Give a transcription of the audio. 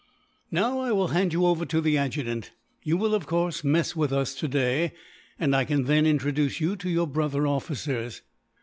"Now, I will hand you over to the adjutant. You will, of course, mess with us today; and I can then introduce you to your brother officers."